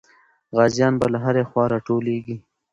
غازیان به له هرې خوا راټولېږي.